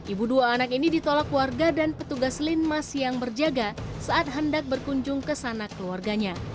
ibu dua anak ini ditolak warga dan petugas linmas yang berjaga saat hendak berkunjung ke sana keluarganya